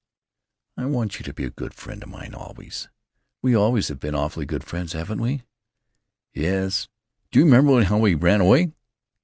"I want you to be a good friend of mine always. We always have been awfully good friends, haven't we?" "Yes. Do you remember how we ran away?"